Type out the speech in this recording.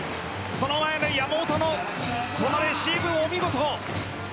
その前に山本もこのレシーブお見事。